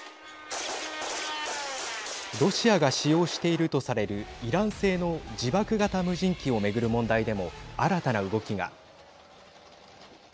ロシアが使用しているとされるイラン製の自爆型無人機を巡る問題でも新たな動きが。